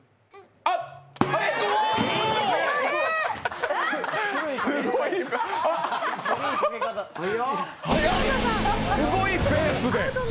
早っ、すごいペースで！